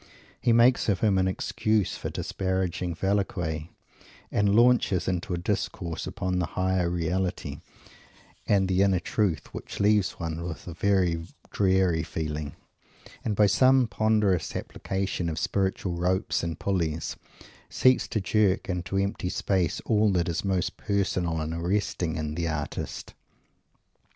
He makes of him an excuse for disparaging Velasquez, and launches into a discourse upon the Higher Reality and the Inner Truth which leaves one with a very dreary feeling, and, by some ponderous application of spiritual ropes and pulleys, seems to jerk into empty space all that is most personal and arresting in the artist.